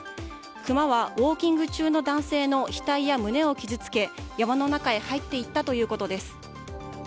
クマはウォーキング中の男性の額や胸を傷つけ山の中へ入っていったということです。